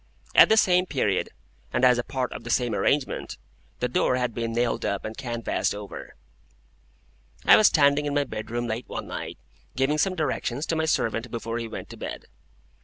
At the same period, and as a part of the same arrangement,—the door had been nailed up and canvased over. I was standing in my bedroom late one night, giving some directions to my servant before he went to bed.